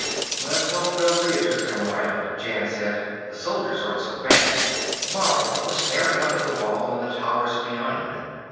"Let's hope no Leiters come around," Jan said. "The soldiers aren't so bad." Mara was staring up at the wall and the towers beyond.